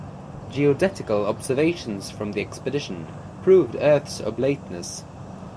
Geodetical observations from the expedition proved Earth's oblateness.